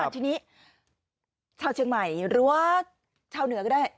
ทีนี้ชาวเชียงใหม่หรือว่าชาวเหนือก็ได้